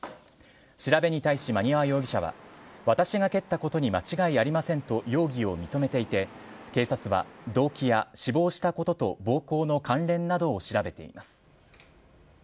調べに対し摩庭容疑者は、私が蹴ったことに間違いありませんと、容疑を認めていて、警察は動機や死亡したことと暴行の関連などを調べています。